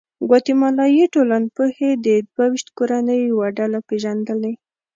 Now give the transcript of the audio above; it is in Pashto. ګواتیمالایي ټولنپوهې د دوه ویشت کورنیو یوه ډله پېژندلې.